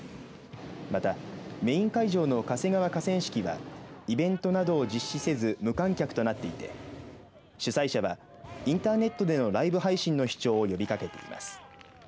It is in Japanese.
また、メイン会場の嘉瀬川河川敷はイベントなどを実施せず無観客となっていて主催者はインターネットでのライブ配信の視聴を呼びかけています。